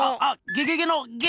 ゲゲゲのゲ！